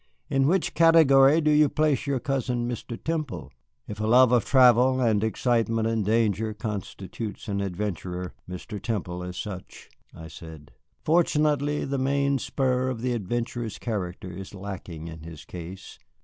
In which category do you place your cousin, Mr. Temple?" "If a love of travel and excitement and danger constitutes an adventurer, Mr. Temple is such," I said. "Fortunately the main spur of the adventurer's character is lacking in his case.